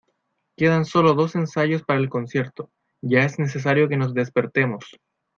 Quedan sólo dos ensayos para el concierto, ya es necesario que nos despertemos.